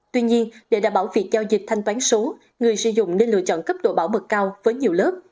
tuy nhiên để đảm bảo việc giao dịch thanh toán số người sử dụng nên lựa chọn cấp độ bảo mật cao với nhiều lớp